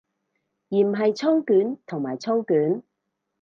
而唔係操卷同埋操卷